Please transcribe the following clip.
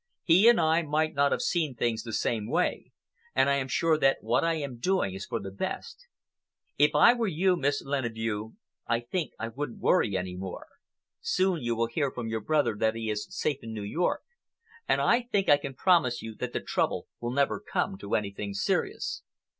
He and I might not have seen things the same way, and I am sure that what I am doing is for the best. If I were you, Miss Leneveu, I think I wouldn't worry any more. Soon you will hear from your brother that he is safe in New York, and I think I can promise you that the trouble will never come to anything serious."